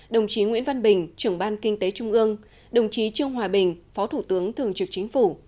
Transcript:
đồng chí nguyễn văn bình trưởng ban kinh tế trung ương đồng chí trương hòa bình phó thủ tướng thường trực chính phủ